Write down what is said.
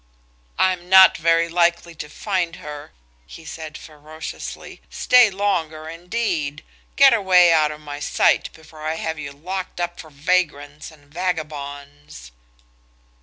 "I'm not very likely to find her," he said ferociously. "Stay longer indeed! Get away out of my sight before I have you locked up for vagrants and vagabonds."